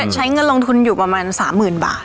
ใช้เงินลงทุนอยู่ประมาณ๓๐๐๐บาท